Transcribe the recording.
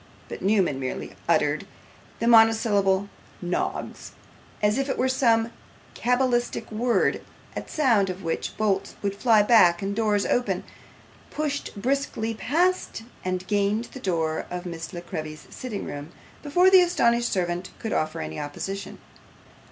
But Newman merely uttering the monosyllable 'Noggs,' as if it were some cabalistic word, at sound of which bolts would fly back and doors open, pushed briskly past and gained the door of Miss La Creevy's sitting room, before the astonished servant could offer any opposition.